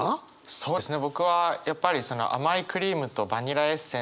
そうですね